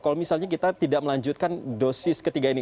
kalau misalnya kita tidak melanjutkan dosis ketiga ini